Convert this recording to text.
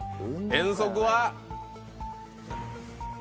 遠足は。